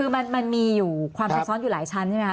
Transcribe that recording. มันมีความระยะซ้อนอยู่หลายชั้นใช่ไหมคะ